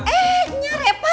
eh nya repa